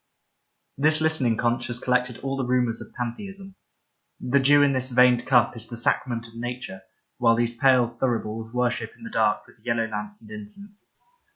This listening conch has collected all the rumours of pantheism ; the dew in this veined cup is the sacrament of nature, while these pale thuribles worship in the dark with yellow lamps and incense.